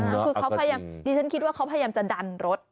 คือเขาพยายามดิฉันคิดว่าเขาพยายามจะดันรถ